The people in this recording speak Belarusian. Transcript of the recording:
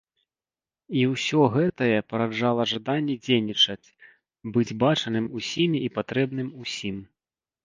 І ўсё гэтае параджала жаданні дзейнічаць, быць бачаным усімі і патрэбным усім.